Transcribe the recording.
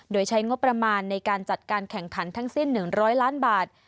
โดยใช้งบประมาณในการจัดการแข่งขันทั้งสิ้น๑๐๐ล้านบาท